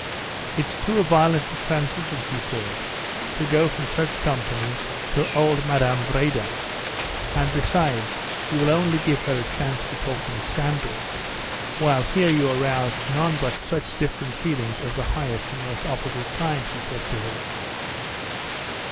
"It's too violent a transition," he said, "to go from such company to old Madame Vrede. And besides, you will only give her a chance for talking scandal, while here you arouse none but such different feelings of the highest and most opposite kind," he said to her.